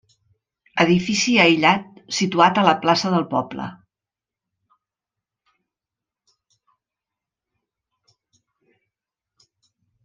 Edifici aïllat situat a la plaça del poble.